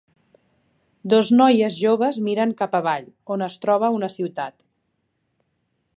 Dos noies joves miren cap avall, on es troba una ciutat.